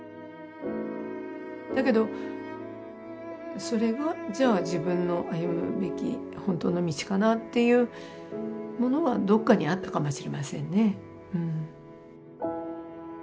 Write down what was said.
だけどそれがじゃあ自分の歩むべき本当の道かなっていうものはどっかにあったかもしれませんね。